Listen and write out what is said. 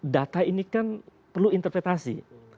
data ini kan perlu interpretasi